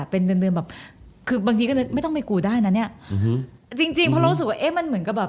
เป็นเดือนเดือนแบบคือบางทีก็เลยไม่ต้องไปกูได้นะเนี้ยจริงจริงเพราะเรารู้สึกว่าเอ๊ะมันเหมือนกับแบบ